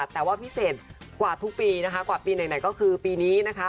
แต่ว่าพิเศษกว่าทุกปีนะคะกว่าปีไหนก็คือปีนี้นะคะ